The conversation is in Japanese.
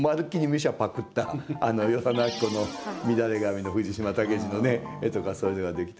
ミュシャパクったあの与謝野晶子の「みだれ髪」の藤島武二の絵とかそういうのができてくる。